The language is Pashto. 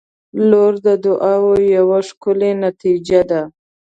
• لور د دعاوو یوه ښکلي نتیجه ده.